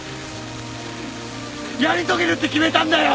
やり遂げるって決めたんだよ！